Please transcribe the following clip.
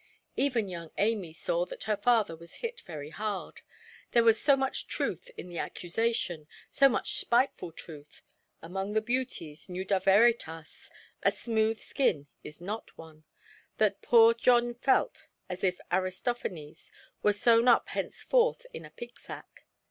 Even young Amy saw that her father was hit very hard. There was so much truth in the accusation, so much spiteful truth—among thy beauties, nuda veritas, a smooth skin is not one—that poor John felt as if Aristophanes were sewn up henceforth in a pig–sack.